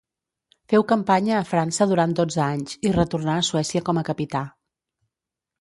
Feu campanya a França durant dotze anys i retornà a Suècia com a capità.